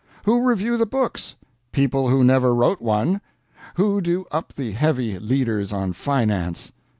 Who review the books? People who never wrote one. Who do up the heavy leaders on finance?